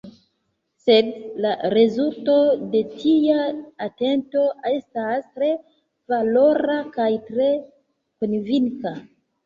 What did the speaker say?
Sed la rezulto de tia atento estas tre valora – kaj tre konvinka.